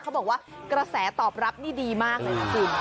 เขาบอกว่ากระแสตอบรับนี่ดีมากสิ